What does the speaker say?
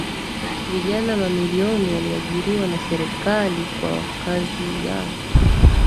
vijana mamilioni waliajiriwa na serikali kwa kazi ya